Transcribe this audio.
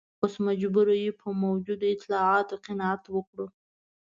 اوس مجبور یو په موجودو اطلاعاتو قناعت وکړو.